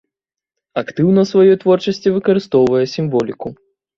Актыўна ў сваёй творчасці выкарыстоўвае сімволіку.